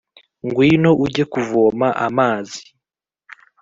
ngwino ujye kuvoma amazi